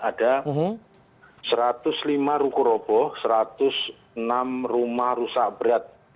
ada satu ratus lima ruku roboh satu ratus enam rumah rusak berat